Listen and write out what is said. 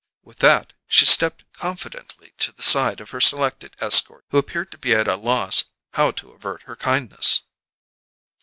With that, she stepped confidently to the side of her selected escort, who appeared to be at a loss how to avert her kindness.